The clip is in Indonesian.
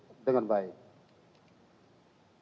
dan ada pengelolaan yang lebih baik